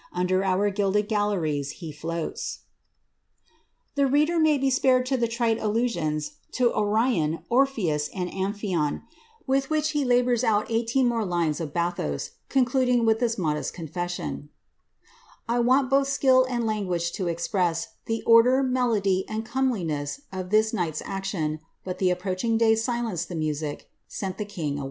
Under our gilded galleries be floats." The reader may be spared the trite allusions to Orion, Orpheos, and Amphion, with which he labours out eighteen more lines of bathos, concluding with this modest confession :— I want both skill and language to express The order, melody, and cumcliness or this night's action, but the ni>pronching day Silenced tlio music — sent the king away.''